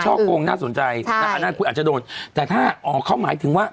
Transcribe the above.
ถ้าเป็นช่อกงน่าสนใจอันนั้นคุยอาจจะโดนแต่ถ้าอ๋อข้อหมายถึงว่า